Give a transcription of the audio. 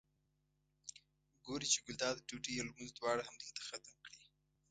ګوري چې ګلداد ډوډۍ او لمونځ دواړه همدلته ختم کړي.